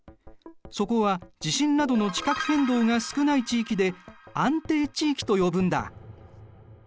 そこは地震などの地殻変動が少ない地域で安定地域と呼ぶんだ。